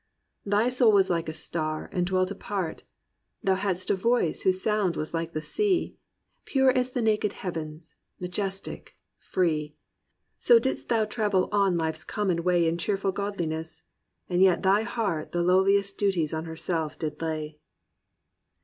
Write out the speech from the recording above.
Thy soul was like a Star, and dwelt apart; Thou had'st a voice whose sound was like the sea: Pure as the naked heavens, majestic, free. So didst thou travel on life's common way In cheerful godliness; and yet thy heart The lowliest duties on herself did lay."